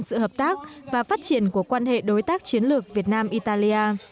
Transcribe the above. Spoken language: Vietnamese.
sự hợp tác và phát triển của quan hệ đối tác chiến lược việt nam italia